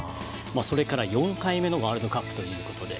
それから４回目のワールドカップということで。